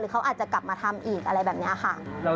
เขาอาจจะกลับมาทำอีกอะไรแบบนี้ค่ะ